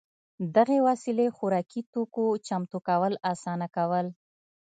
دغې وسیلې خوراکي توکو چمتو کول اسانه کول